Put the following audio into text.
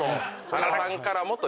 原さんからもと一言。